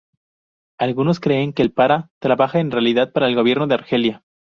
Algunos creen que El Para trabaja en realidad para el gobierno de Argelia.